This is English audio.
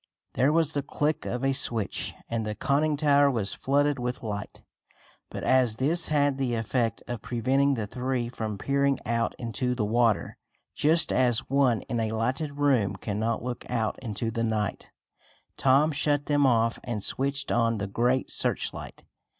There was the click of a switch, and the conning tower was flooded with light. But as this had the effect of preventing the three from peering out into the water, just as one in a lighted room cannot look out into the night, Tom shut them off and switched on the great searchlight.